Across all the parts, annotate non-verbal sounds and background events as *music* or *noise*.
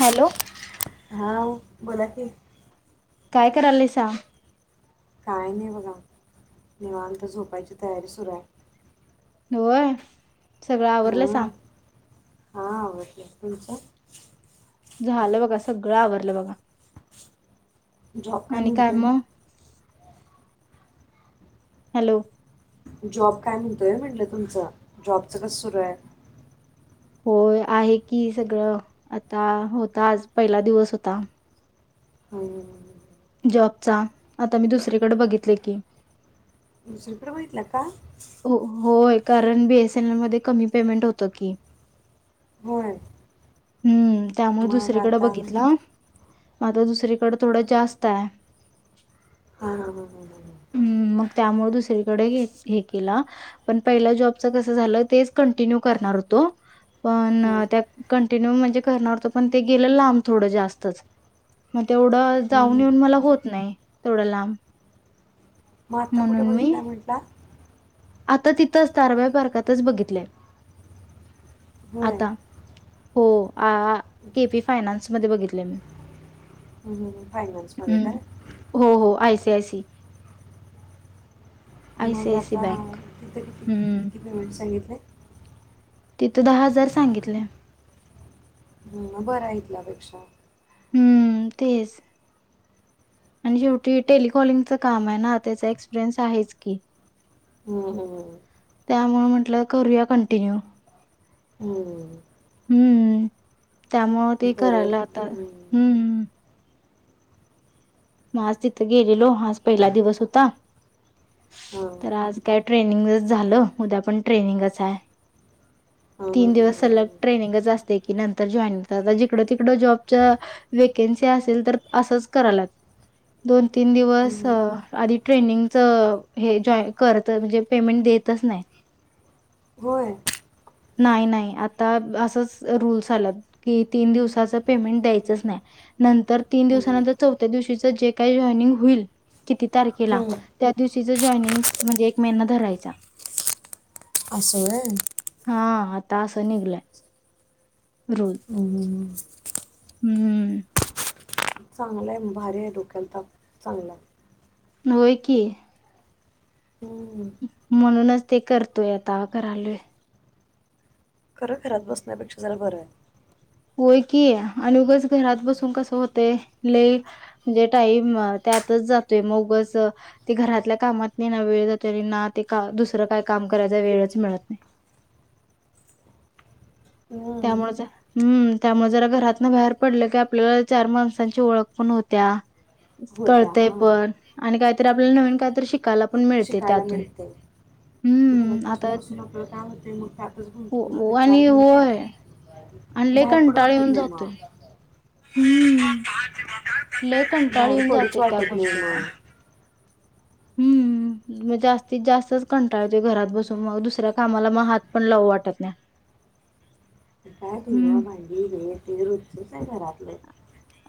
Hello. हा बोला की. काय करायला लाईसा. काय नाही बघा निवांत झोपायची तयारी सुरू आहे. होय. सगळं आवरलं सा. हा आवरलं, तुमचं. झालं बघा सगळं आवरलं बघा. जॉब काय आणि म्हणतोय. मग हॅलो. जॉब काय म्हणतोय म्हटलं तुमचं, जॉबचं कस सुरू आहे. होय आहे की सगळं. आता होता आज, पहिला दिवस होता. हम्म. जॉबचा. आता मी दुसरीकड बघितलय की. दुसरीकड बघितलाय. का? हो होय कारण बी एस एन एल मध्ये कमी पेमेंट होत की. होय. हम्म. त्यामुळे मग दुसरीकड आता बघितल. म आता दुसरीकड थोडं जास्ताय. हा ह ह ह. कडे *unintelligible* केला. पण पहिल्या जॉबचं कसं झालं, तेच कंटिन्यू करणार होतो. पण हां. त्या कण ते नवं म्हणजे करणार होतो. पन ते गेल लांब थोड जास्तचं तेवढं जाऊन हम्म. येऊन मला होत नाही. तेवढ्या लांब मग आता कुठे म्हणून मी बघितलाय म्हंटला? आता तिथंच, तारबाई पार्कातच बघितलंय. हो. आता. हो. आ के पी फायनान्स मधे बघितल मी. हम्म हम्म हम्म फायनान्समध्ये काय? जयसी मग आयसीआयसी आता बँक. तिथ किती, हं. किती पेमेंट सांगितलय? तिथं दहा हजार सांगितले हम म बरं हाय इथल्यापेक्षा हम्म तेच आणि शेवटी टेलिकॉलिंगच काम आहे ना, त्याचा एक्सपिरियन्स आहेच की हो हो त्यामुळे म्हंटलं करूया कंटिन्यू हम्म हम्म त्यामुळ ते बरं करायला आता. हं. हम्म हम्म म आज तिथं गेलेलो. आज पहिला दिवस होता हां तर आज काय ट्रेनिंगच झालं. उद्या पण ट्रेनिंगच आहे हां हां तीन हां दिवस हां, सलग हां. ट्रेनिंगच अस तय की, नंतर जॉईन होतात. आता जिकडं तिकडं जॉबच्या वेकेन्सी असेल तर असंच करायल्यात दोन तीन दिवस हं. अ आधी ट्रेनिंगच हे जाॅय करत म्हणजे पेमेंट देतच नाही होय! नाही नाही, आता असचं रूल्स आल्यात की तीन दिवसाच पेमेंट द्यायचच नाही. नंतर तीन हं. दिवसानंतर चौथ्या दिवशीच जे काही जॉयनिंग होईल किती तारखेला, हं. त्या दिवशी तीज जाॅयनिंग म्हणजे एक महिना धरायचा अस होय! हा आता अस निघलयं हं हम्म चांगलं आहे. भारी आहे. डोक्याला ताप चांगला आहे. होय कि. हं. म्हणूनच ते करतोय आता. करालोय. खरं घरात बसण्यापेक्षा जरा बरं आहे. होय की आणि उगाच घरात बसून कसं होतय? लई म्हणजे टाईम त्यातच जातोय, मग उगच ते घरातल्या कामात नाही ना वेळ जातो आणि ना ते का दुसरं काय काम करायचा वेळच मिळत नाही. हं. त्यामुळे हम्म त्यामुळे जरा घरातन बाहेर पडलं की आपल्याला चार माणसांची ओळख पण होत्या, होत्या कळतंय हां पण आणि काहीतरी आपल्याला नवीन काहीतरी शिकायला पण मिळते शिकायला त्यातून मिळते. घरात हम्म आता बसून बसून आपल्या काय होते? मग त्यातच हो गुंतून हो, जातोय चार आणि भिंतीत होय आणि लय बाहेर पडू कंटाळ वाटत येऊन नाही जातोय मग. हम्म लय कंटाळा बाहेर येऊन पडूच जातोय त्या वाटत नाही गोष्टीचा. मग हम्म म जास्तीत जास्तच कंटाळते घरात बसून, मग दुसऱ्या कामाला मग हात पण लावू वाटत नाही. काय हम्म धुणं भांडी हे ते रोजचंच आहे घरातलं.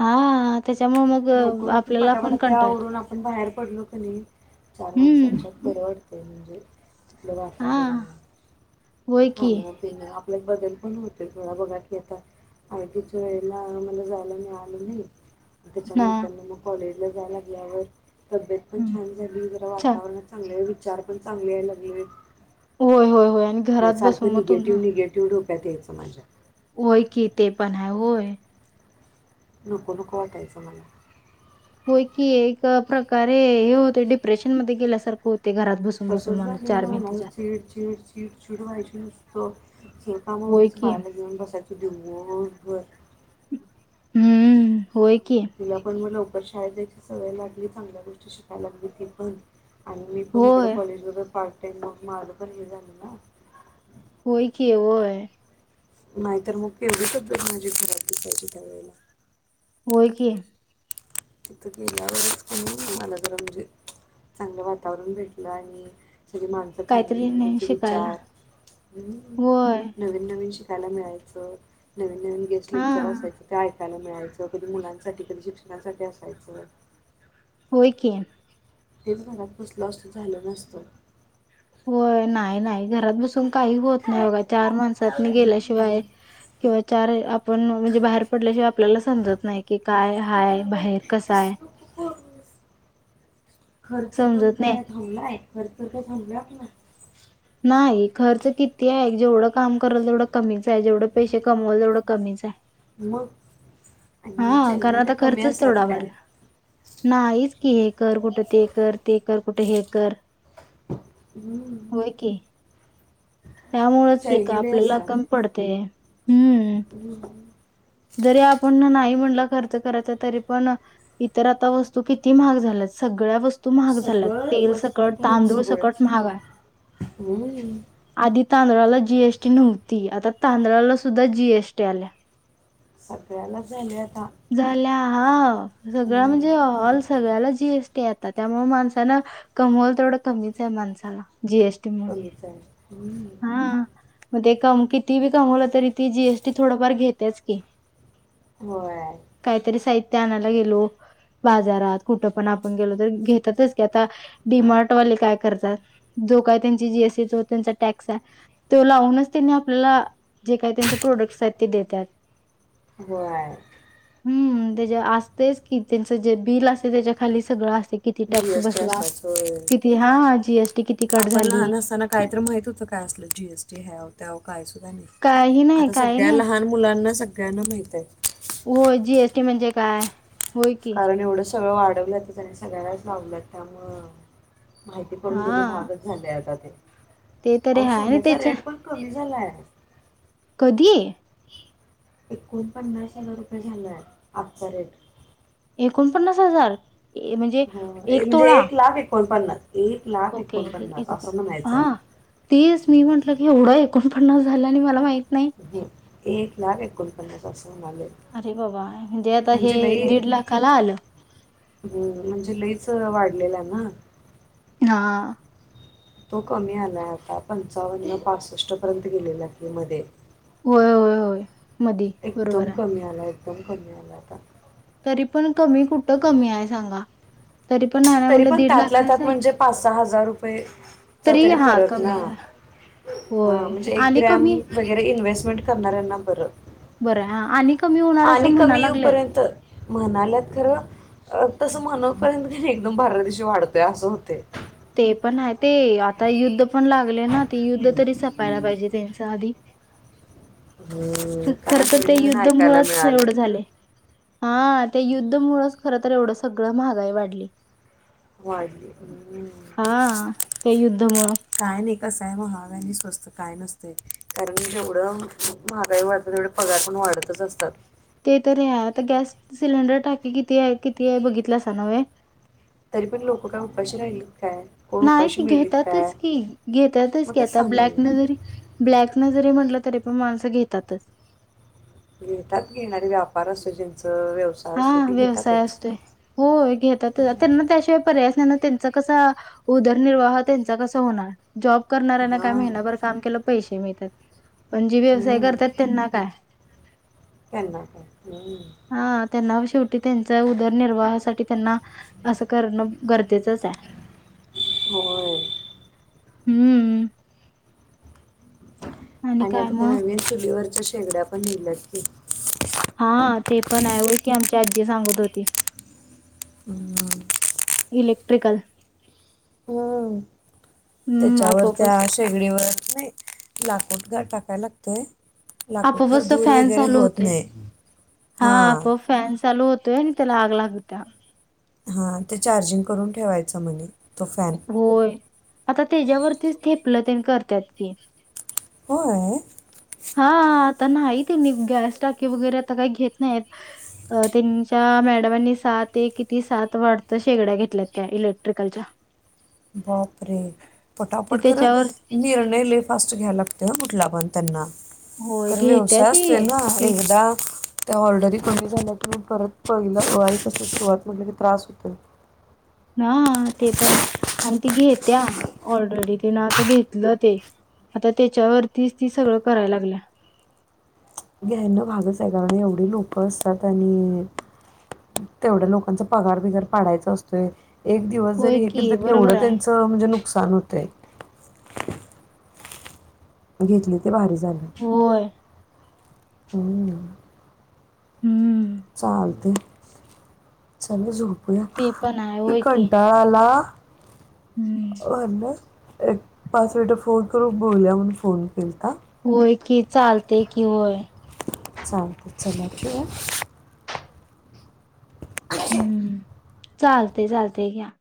आहा लवकर उठून पटापटा ते येतोय आवरून आपण बाहेर पडलो की नाही चार हम्म माणसाांच्या परबड ते म्हणजे आपलं हा वातवरण होय की खाण-पिणं एक बदल पण होते थोडा बघा की आता, आय टी च्या वेळेला मला जायला मिळालं नाही. हा त्याच्यानंतर मंग कॉलेज जायला लागल्यावर तब्येत पण हम्म छान झाली जरा चा वातावरण चांगलं ये विचार पण चांगले यायला लागलेत. होय! होय! होय! आणि नाही घरात बसून सारखं मग तुम्हा निगेटिव्ह निगेटिव्ह डोकं त्यात यायचा माझ्या होय की, ते पण हाय होय नको नको वाटायचं मला होय की एक प्रकारे हे होते डिप्रेशनमध्ये गेल्यासारखं होत. तसच झाले ना ओ चीड चीड चीड व्हायची नुस हो होय शेतामोहरच की बाळाला घेऊन बसायचो दिवसभर व्हय हम्म! होय की तिला पण म लवकर पण शाळेत ज्याची सवय लागली चांगल्या गोष्टी शिकायला लागली ती पण आणि मी पण इकड होय, कॉलेजवरच हाय. त्यामुळ माझं पण हे झालं ना. होय की होय नाहीतर मग केवढी तब्येत माझी घरात दिसायची त्यावेेळेला होय की तिथं गेल्यावरच तर मला जरा म्हणजे चांगलं वातावरण भेटलं आणि सगळी माणसं काहीतरी चांगलीचं नाही त्यांचे शिकायला विचार हूं होय नवीन नवीन शिक खायला मिळायचं, नवीन नवीन गेस टीचर हां असायचा काय *unintelligible* मिळायचं कधी मुलांसाठी, कधी शिक्षणासाठी.. असायच *unintelligible* होय की तेच घरात बसलो असलो झालं नसतं. होय, नाही नाही, घरात बसून काही होत नाही, बघा चार माणसातनी गेल्याशिवाय हम्म. किंवा चार आपण म्हणजे बाहेर पडल्याशिवाय आपल्याला समजत नाही कि काय हाय बाहेर कसा आहे. खर्च पण समजत नाही. काय थांबलाय खर्च त थांबला ह *unintelligible* नाही, खर्च किती आहे! जेवढं काम करल तेवढं कमीच आहे, जेवढं पैसे कमवाल तेवढं कमीच आहे. मग हा.. आणि कारण चैन्या आता काय कमी खर्चच असतात तेवढा काय वाढला, ना हेच की हे कर कुठे ते कर, ते कर कुठे हे.. घर.. *unintelligible* त्यामुळेच की का चैनी लय आपल्याला असतात कमी पडते ह हम्म. जरी आपण नाही. खर्च करायचा तरी पण इतर आता वस्तू किती महाग झाल्यात सगळ्या वस्तू तू महाग झाल्यात सगळं तेल वस्तू सकट, पण तांदूळ सकट सगळंच महाग आहे. हम्म. तांदळाला जीएसटी नव्हती, आता तांदळाला सुद्धा जीएसटी आल्या. सगळ्याला झाले, आता झाल्या हा सगळ हम्म. म्हणजे, हम्म. ऑल सगळ्याला जीएस येत आता त्यामुळे माणसान कमवलं तेवढं कमीच आहे माणसाला. जीएसटी म हम म तेकाम किती बी कमवलं, तरी ती जीएसटी थोडंफार घेतेच की, होय आणयला गेलो बाजारात कुठ पण आपण गेलो, तर घेतातच की, आता डी मार्टवाले काय करतात, जो का त्यांच्या जिएसटी होतो त्यांचा टॅक्स ते लावूनचं त्यांनी आपल्याला जे काही त्यांचे प्रॉडक्स आहेत ते देतात. हो आहे. हूं.. त्याच्या वर ते असतेच कि त्यांचं जे बिल असते, त्याच्या खाली सगळं असत. किती टॅक्स जीएसटी बसला असाच होय किती हा. जीएसटी किती कट आपण झाली, लहान असताना काय तर माहित होतं जीएसटी हॅव ठेऊ काही *unintelligible* नाही आता काही सगळ्या नाही लहान मुलांना सग *unintelligible* हो जीएसटी म्हणजे काय? होय की कारण एवढं सगळं वाढवलंत आणि सगळ्यांनाच लावलं त्यामुळ, माहिती बघून हा भागच झालेय आता ते ते तररी अहो हय ना सोन्याचा त्याच्या रेट पण कमी झालाय कधी एकोण पन्नास हजाररुपये झाले, आहेत आचा रेट एकोणपन्नास हजार. ए- म्हणजे हो म्हणजे एक लाख एकण पन्नास ओके हा तेच मी म्हंटलं की एवढा आहे. एकोणपनास झाल्या आणि मला माहिती एक लाख एकोणपन्नास अस म्हले अरे बाबा आता हे म्हणजे लई दीड लाखाला आलं म्हणजे लईच वाढले. ना हा तो कमी आलाय आता पंचावन्न क पासष्ट पर्यंत गेलेला क मध्ये होय होय होय मध्ये बरोबर आहे. तो करण्यालाता *inaudible* तरी पण कमी कुठं कमी आहे सांगा. तरी पण नाना तरी म्हटलं पण दीड त्यात लाखाच त्यात आहे म्हणजे की. पाच सहा हजार रुपयेचा तरी हा फरक कमी ना आला होय म्हणजे एक आणि ग्रॅम कमी वगैरेइन्व्स्टमेंट करणाऱ्यांना बरं बरं आणि कमी होणार आणि असं म्हणा कमी लागल्यात येऊपर्यंत म्हणाल्यात खरं तसं म्हणपर्यंत का एकदम बारल्या दिवशी वाढतोय असं होते ते पण आहे ते आता युद्ध पण लागले ना ते युद्ध तरी संपायला पाहिजे त्यांच्या आधी हम्म, काय खर तर नवीन ते नवीन युद्ध ऐकायला मुळच एवढं मिळाले झाले हा त्या युद्ध मुळच खरंत एवढं सगळं महागाई वाढली. वाढली हम्म. हा त्या युद्ध मुळं काय नाही कसं आहे महाग आणि स्वस्त काय नसते कारण जेवढं महागाई वाढतात तेवढे पगार पण वाढतच असतात. ते तर आहे आता गॅस सिलेंडर टाकी किती आहे किती आहे बघितलं अस नव्हे तरी पण लोक काय उपाशी राहिली. नाहीत घेतातच की घेतात की आताक घेतातच की घेतातच मग की तेच आता सांगायला ब्लॅक न लागले. जरी ब्लॅक न जरी म्हटलं तरी पण माणसं घेतातच घेतात घेणारे व्यापार असो ज्यांचा हा व्यवसाय असतोय हो घेतात त्यां ना त्याशिवाय पर्याय नाही त्यांचा कसा उदरनिर्वाह त्यांचा कसा होणार जॉब करणाऱ्यांना काय हां महिनाभर काम केलं पैसे मिळतात *inaudible* पण जे व्यवसाय हम्म. करतात त्यांना काय त्यांना काय हम्म. हा शेवटी त्यां उदरनिर्वाहासाठी त्यांना असं करण होय हम्म आणि काय आता का मग नवीन चुलीवरच्या शेगड्या पण लिहिल्यात *inaudible* हा ते पण आहे हो की आमच्या आजी सांगत होती हं. इलेक्ट्रिकल हम्म, हम्म त्याच्यावर आपोआपच त्या शेगडीवर नाही लाकूड काय टाकायला लागतंय लाकूड खरं आपोआपच तो धूर फॅन वगैरे चालू होत होतोय. नाही हा आपोआप फॅन चालू होतोय आणि त्याला आग लागत्या. हा ते चार्जिंग करून ठेवायचं म्हणे. तो फॅन होय आता त्याच्यावरतीच ते आपल तेन करत्यात की. होय? हा. आता नाही त्यांनी गॅस टाकीे वगैरे आता काही घेत नाहीयेत. त्यांच्या मॅडमांनी सात एक किती सात वाटतं शेगड्या घेतल्या त्या इलेक्ट्रिकलच्या. बाप रे ती पटापट खर त्याच्यावर निर्णय लई फास्ट घ्यायला तेव्हा कुठला पण त्यांना होय खर घेत्या व्यवसाय ती असतोय ना ती एकदा त्या ऑर्डरी कमी झाल्यात *unintelligible* सुरुवात म्हटलं की त्रास होतोय. हा ते पण आहे. आणि ती घेत्या ऑर्डरी तिनं आता घेतलं ते आता त्याच्यावरतीच ती सगळं कराय लागल्या. घेण भागच आहे गं आणि एवढी लोक असतात आणि तेवढ्या लोकांचा पगार बिगार पाडायचा असतोय. एक दिवस होय जरी हे केल तर की बरोबर केवढं आहे. त्यांचं म्हणजे नुकसान होतंय. घेतलीत ते भारी झालं. होय. हम्म. हम्म. चालतंय चलो झोप ते पण आहे पुरा, होय की कंटाळा आला हम्म होय ना? एक पाच मिनट फोन करून बोलया म्हणून फोन केलता. होय की चालतंय की होय. चालतय, चला ठेवूं? हम्म. चालतंय, चालतंय घ्या.